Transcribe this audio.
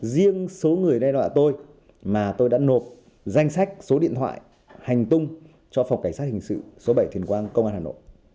riêng số người đe dọa tôi mà tôi đã nộp danh sách số điện thoại hành tung cho phòng cảnh sát hình sự số bảy thuyền quang công an hà nội